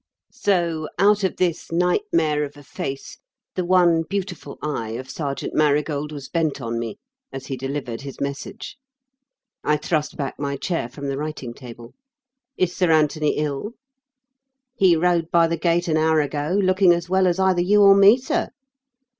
So, out of this nightmare of a face, the one beautiful eye of Sergeant Marigold was bent on me, as he delivered his message. I thrust back my chair from the writing table. "Is Sir Anthony ill?" "He rode by the gate an hour ago looking as well as either you or me, sir."